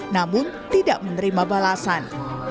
namun tidak menerima balasan